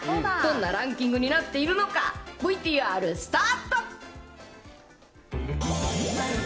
どんなランキングになっているのか、ＶＴＲ、スタート。